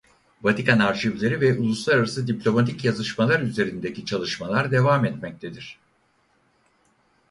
Vatikan arşivleri ve uluslararası diplomatik yazışmalar üzerindeki çalışmalar devam etmektedir.